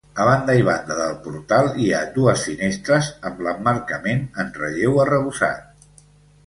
A banda i banda del portal hi ha dues finestres amb l'emmarcament en relleu arrebossat.